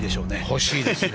欲しいですね。